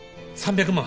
３００万